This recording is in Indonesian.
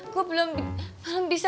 gue belum bisa